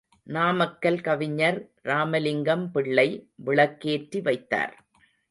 நாமக்கல் கவிஞர் ராமலிங்கம் பிள்ளை விளக்கேற்றி வைத்தார்.